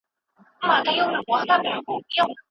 کله موږ ویلی سو چي یو څوک په خپل ژوند کي نېکمرغه دی؟